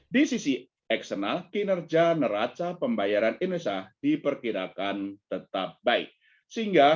di sisi eksternal kinerja neraca pembayaran indonesia diperkirakan tetap baik sehingga